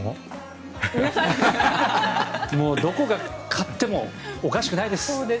もうどこが勝ってもおかしくないです。